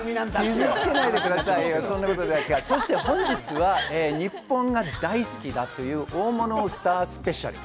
そして本日は日本が大好きだという大物スタースペシャル。